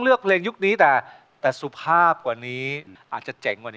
มันคิดถึง